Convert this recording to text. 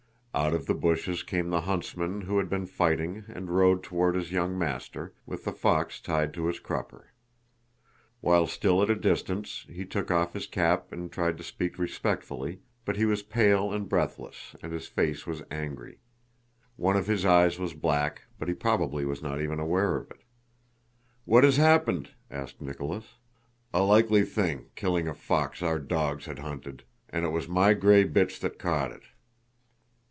Out of the bushes came the huntsman who had been fighting and rode toward his young master, with the fox tied to his crupper. While still at a distance he took off his cap and tried to speak respectfully, but he was pale and breathless and his face was angry. One of his eyes was black, but he probably was not even aware of it. "What has happened?" asked Nicholas. "A likely thing, killing a fox our dogs had hunted! And it was my gray bitch that caught it!